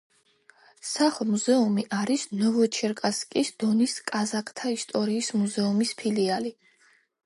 სახლ-მუზეუმი არის ნოვოჩერკასკის დონის კაზაკთა ისტორიის მუზეუმის ფილიალი.